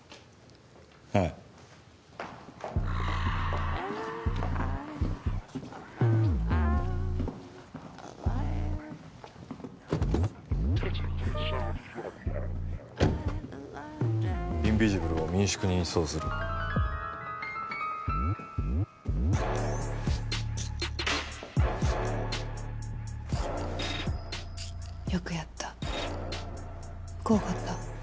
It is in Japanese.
はいインビジブルを民宿に移送するよくやった怖かった？